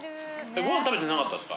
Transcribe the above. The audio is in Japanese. ご飯食べてなかったっすか？